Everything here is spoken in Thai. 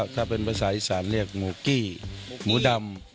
ถ้าเป็นภาษาอีสานเรียกหมูกี้หมูดำ